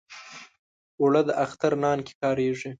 اوړه د اختر نان کې کارېږي